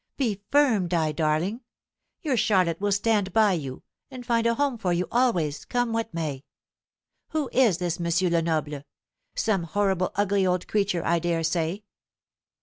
Be firm, Di, darling; your Charlotte will stand by you, and find a home for you always, come what may. Who is this M. Lenoble? Some horrible ugly old creature, I dare say."